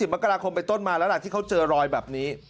มกราคมไปต้นมาแล้วล่ะที่เขาเจอรอยแบบนี้